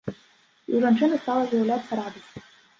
І ў жанчыны стала з'яўляцца радасць.